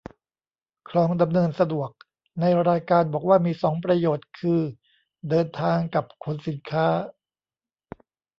คลองดำเนินสะดวก ในรายการบอกว่ามีสองประโยชน์คือ เดินทาง กับ ขนสินค้า